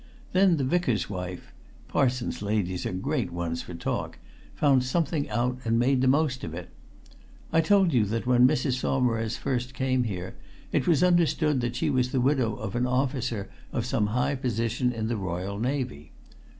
Then the Vicar's wife parsons' ladies are great ones for talk found something out and made the most of it. I told you that when Mrs. Saumarez first came here it was understood that she was the widow of an officer of some high position in the Royal Navy.